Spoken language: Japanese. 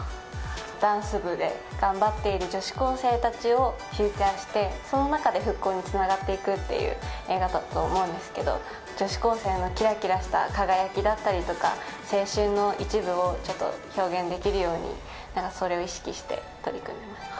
ダンス部で頑張っている女子高生たちをフィーチャーして、その中で復興につながっていくっていう映画だと思うんですけど、女子高校生のきらきらした輝きだったりとか、青春の一部をちょっと表現できるように、それを意識して取り組みました。